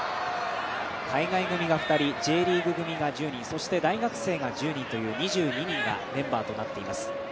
海外組が２人Ｊリーグ組が１０人そして大学生が１０人という２２人がメンバーとなっています。